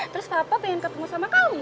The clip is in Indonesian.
terus papa pengen ketemu sama kamu hari ini